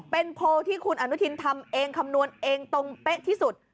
เป็นโพลที่คุณอนุทินทำเองคำนวณเองตรงเป๊ะที่สุด